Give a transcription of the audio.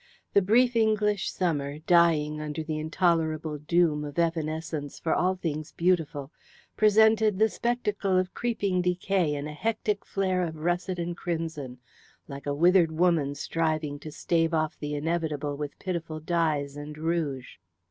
The brief English summer, dying under the intolerable doom of evanescence for all things beautiful, presented the spectacle of creeping decay in a hectic flare of russet and crimson, like a withered woman striving to stave off the inevitable with pitiful dyes and rouge.